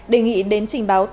đề nghị đến trình báo